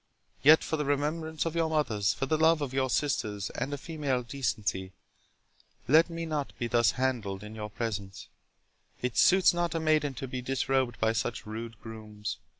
—yet for the remembrance of your mothers—for the love of your sisters, and of female decency, let me not be thus handled in your presence; it suits not a maiden to be disrobed by such rude grooms.